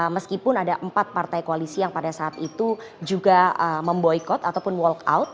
meskipun ada empat partai koalisi yang pada saat itu juga memboykot ataupun walk out